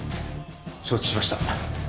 承知しました。